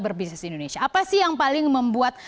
berbisnis di indonesia apa sih yang paling membuat